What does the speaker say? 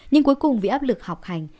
nhưng cuối cùng vì áp lực học hành